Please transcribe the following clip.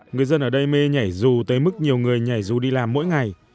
người dân ở đây mê nhảy dù tới mức nhiều người nhảy dù đi làm mỗi ngày